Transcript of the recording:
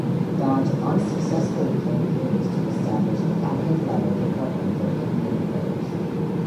Dodge unsuccessfully campaigned to establish a cabinet-level department for Indian Affairs.